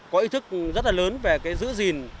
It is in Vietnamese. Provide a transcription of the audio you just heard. có ý thức rất là lớn về cái giữ gìn